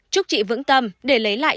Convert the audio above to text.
chúc chị vững tâm để lấy lại